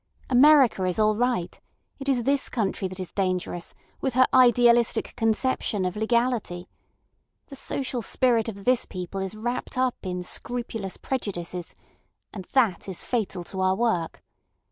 America is all right. It is this country that is dangerous, with her idealistic conception of legality. The social spirit of this people is wrapped up in scrupulous prejudices, and that is fatal to our work.